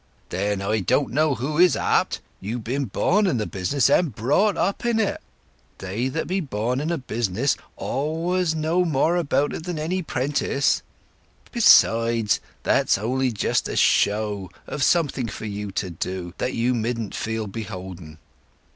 "Then I don't know who is apt. You've be'n born in the business, and brought up in it. They that be born in a business always know more about it than any 'prentice. Besides, that's only just a show of something for you to do, that you midn't feel beholden."